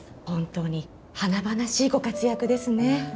本当に華々しいご活躍ですね。